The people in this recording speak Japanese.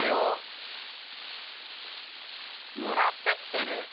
狙ってきてる！